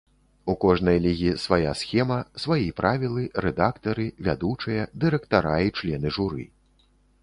У кожнай лігі свая схема, сваі правілы, рэдактары, вядучыя, дырэктара і члены журы.